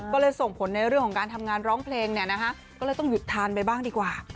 ก็เลยส่งผลในเรื่องของการทำงานร้องเพลงเนี่ยนะคะก็เลยต้องหยุดทานไปบ้างดีกว่า